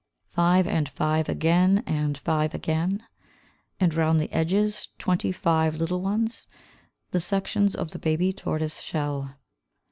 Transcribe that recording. Five, and five again, and five again, And round the edges twenty five little ones, The sections of the baby tortoise shell.